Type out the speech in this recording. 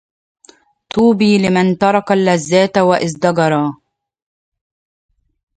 طوبى لمن ترك اللذات وازدجرا